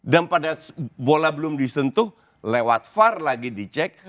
dan pada bola belum disentuh lewat var lagi dicek